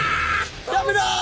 ダメだ！